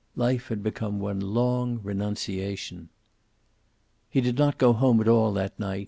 Life had become one long renunciation. He did not go home at all that night.